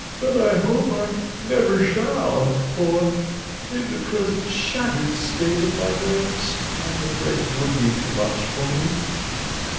'Then I hope I never shall, for, in the present shattered state of my nerves, I am afraid it would be too much for me.